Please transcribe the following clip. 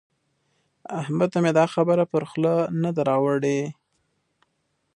احمد ته مې دا خبره پر خوله نه ده راوړي.